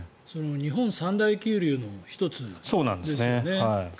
日本三大急流の１つですよね。